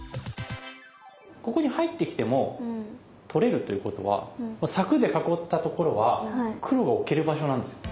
ここに入ってきても取れるということは柵で囲ったところは黒が置ける場所なんですよ。